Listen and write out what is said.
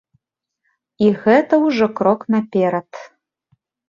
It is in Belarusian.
І гэта ўжо крок наперад.